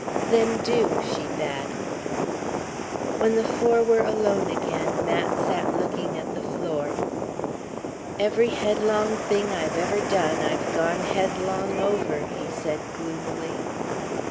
"Then do," she bade. When the four were alone again, Mat sat looking at the floor. "Every headlong thing I've ever done I've gone headlong over," he said gloomily.